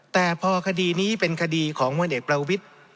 แต่พอคดีนี้เป็นคดีของพลเอกประวิทธิ์